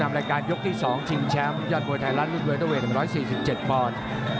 มัดซ้ายคอยสวน